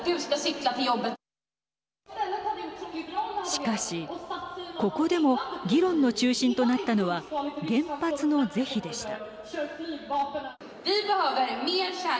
しかし、ここでも議論の中心となったのは原発の是非でした。